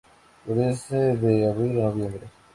Florece de abril a noviembre.